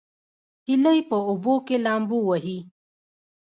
هیلۍ په اوبو کې لامبو وهي